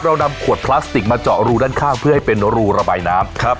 เรานำขวดพลาสติกมาเจาะรูด้านข้างเพื่อให้เป็นรูระบายน้ำครับ